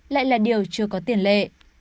lại là điều chưa có tiền lệ